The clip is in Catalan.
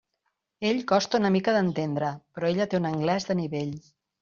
Ell costa una mica d'entendre, però ella té un anglès de nivell.